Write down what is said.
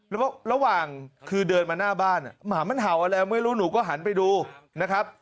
แล้วระหว่างคือเดินมาหน้าบ้านหมามันเห่าอะไรไม่รู้หนูก็หันไปดูนะครับ